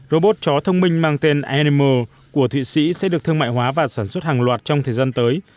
robot chó thông minh mang tên enimer của thụy sĩ sẽ được thương mại hóa và sản xuất hàng loạt trong thời gian tới